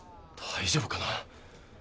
大丈夫かな。